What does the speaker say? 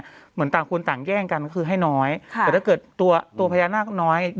แต่ถ้าตัวอาศัยนักน้วย